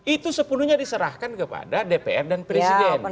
itu sepenuhnya diserahkan kepada dpr dan presiden